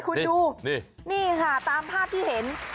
คุณดูนี่ค่ะตามภาพที่เห็น